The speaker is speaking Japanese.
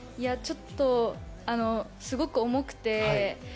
ちょっとすごく重くて。